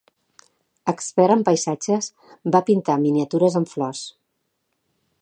Expert en paisatges, va pintar miniatures amb flors.